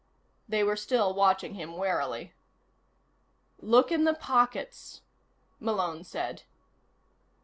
They were still watching him warily. "Look in the pockets," Malone said.